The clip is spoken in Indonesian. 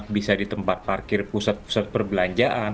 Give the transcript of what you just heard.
bisa di tempat parkir pusat pusat perbelanjaan